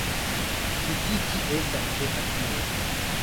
Kritiki estas tre facile.